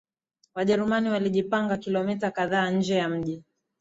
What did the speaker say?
Wajerumani walijipanga kilomita kadhaa nje ya mji